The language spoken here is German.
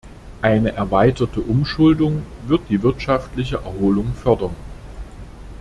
Eine erweiterte Umschuldung wird die wirtschaftliche Erholung fördern.